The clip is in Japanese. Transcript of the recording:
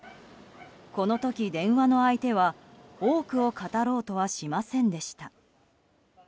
この時、電話の相手は多くを語ろうとしませんでした。